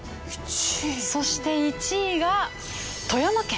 そして１位が富山県。